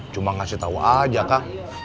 cuma ngasih tau aja kang